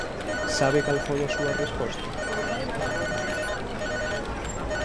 ¿Sabe cal foi a súa resposta?